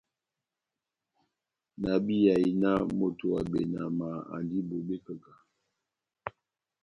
Náhábíyahi náh moto wa benama andi bobé kahá-kahá.